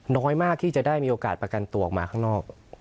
น้อยมากที่จะได้มีโอกาสประกันตัวออกมาข้างนอก